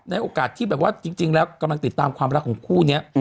โอกาสที่แบบว่าจริงแล้วกำลังติดตามความรักของคู่นี้